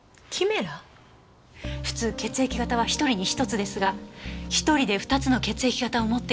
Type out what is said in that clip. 普通血液型は１人に１つですが１人で２つの血液型を持っている人がいるんです。